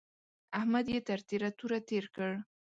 احمد يې تر تېره توره تېر کړ.